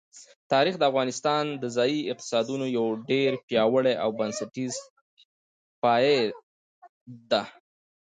تاریخ د افغانستان د ځایي اقتصادونو یو ډېر پیاوړی او بنسټیز پایایه دی.